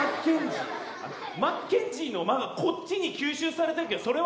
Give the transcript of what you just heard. マッケンジーの「マ」がこっちに吸収されてるけどそれはいいの？